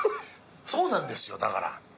そうなんですよだから。